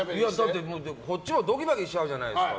こっちはどぎまぎしちゃうじゃないですか。